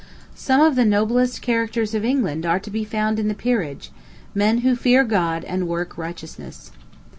Some of the noblest characters of England are to be found in the peerage men who "fear God and work righteousness."